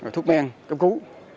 thuốc men cấp cứu